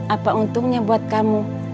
apa untungnya buat kamu